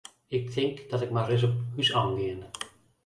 Ik tink dat ik mar ris op hús oan gean.